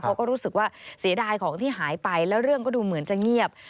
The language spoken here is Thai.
เขาก็รู้สึกว่าเสียดายของที่หายไปแล้วเรื่องก็ดูเหมือนจะเงียบ